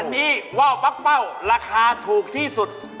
วันนี้ว่าวปั๊กเป้าราคาถูกที่สุด